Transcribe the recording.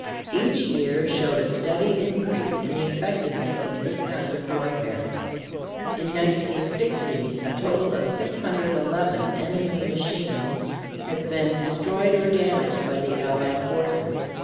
Each year showed a steady increase in the effectiveness of this kind of warfare. In 1916 a total of 611 enemy machines had been destroyed or damaged by the Allied forces.